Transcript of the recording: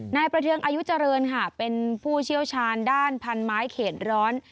นายประเทืองอายุเจริญค่ะเป็นผู้เชี่ยวชาญด้านพันไม้เขตร้อน